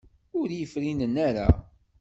Ur iyi-frinen ara.